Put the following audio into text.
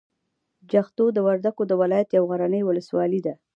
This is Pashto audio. جغتو د وردګو د ولایت یوه غرنۍ ولسوالي ده.